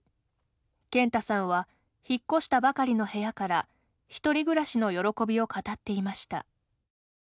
健太さんは引っ越したばかりの部屋から１人暮らしの喜びを語っていました。